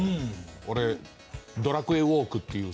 俺『ドラクエウォーク』っていうさ。